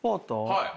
はい。